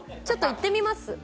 ちょっといってみます。